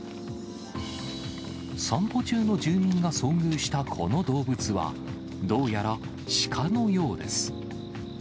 散歩中の住民が遭遇したこの動物は、どうやらシカのようです。